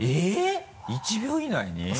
えぇ１秒以内に？